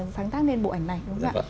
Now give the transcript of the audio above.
sáng tác lên bộ ảnh này đúng không ạ